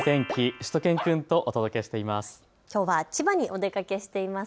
しゅと犬くんとお届けしています。